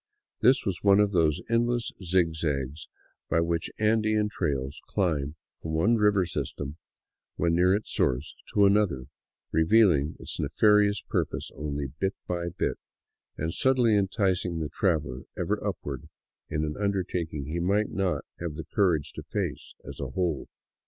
This was one of those endless zigzags by which Andean trails climb from one river system, when near its source, to another, revealing its ne farious purpose only bit by bit, and subtly enticing the traveler ever up ward in an undertaking he might not have the courage to face as a whole.